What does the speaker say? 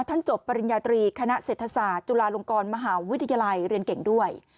จบปริญญาตรีคณะเศรษฐศาสตร์จุฬาลงกรมหาวิทยาลัยเรียนเก่งด้วย